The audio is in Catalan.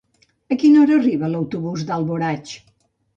A quina hora arriba l'autobús d'Alboraig?